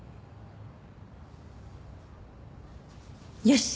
よし。